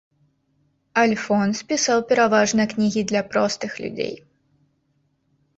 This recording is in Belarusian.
Альфонс пісаў пераважна кнігі для простых людзей.